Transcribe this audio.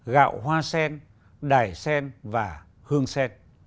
gạo hoa sen đài sen và hương sen